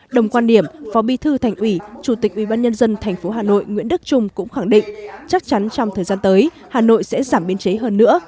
đồng quan điểm phó bí thư thành ủy chủ tịch ủy ban nhân dân thành phố hà nội nguyễn đức trung cũng khẳng định chắc chắn trong thời gian tới hà nội sẽ giảm biên chế hơn nữa